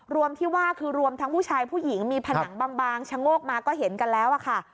รวมที่ว่าคือรวมทั้งผู้ชายผู้หญิงมีผนังบางชะโงกมาก็เห็นกันแล้วอะค่ะ